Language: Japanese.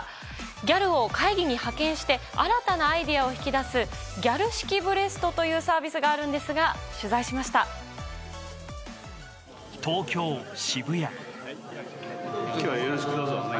ギャルを会議に派遣して新たなアイデアを引き出すギャル式ブレストというサービスがあるんですが東京・渋谷。